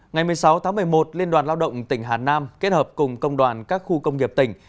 ngày một mươi sáu tháng một mươi một liên đoàn lao động tỉnh hà nam kết hợp cùng công đoàn các khu công nghiệp tỉnh